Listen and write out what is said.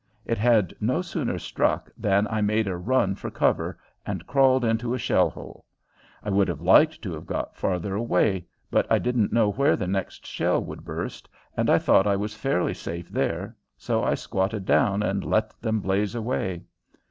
It had no sooner struck than I made a run for cover and crawled into a shell hole. I would have liked to have got farther away, but I didn't know where the next shell would burst, and I thought I was fairly safe there, so I squatted down and let them blaze away.